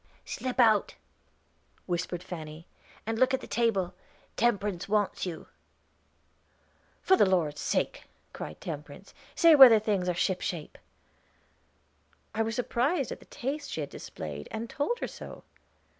"Slip out," whispered Fanny, "and look at the table; Temperance wants you." "For the Lord's sake!" cried Temperance, "say whether things are ship shape." I was surprised at the taste she had displayed, and told her so.